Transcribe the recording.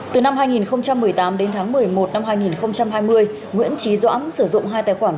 từ năm hai nghìn một mươi tám đến tháng một mươi một năm hai nghìn hai mươi nguyễn trí doãn sử dụng hai tài khoản